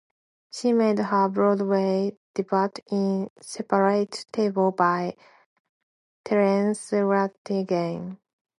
She made her Broadway debut in "Separate Tables" by Terence Rattigan.